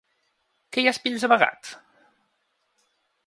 Que hi ha espills amagats?